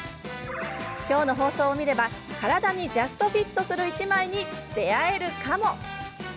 きょうの放送を見れば体にジャストフィットする１枚に出会えるかも。